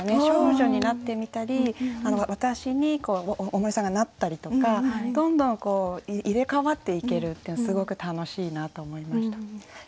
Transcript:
少女になってみたり私に大森さんがなったりとかどんどんこう入れ代わっていけるっていうのすごく楽しいなと思いました。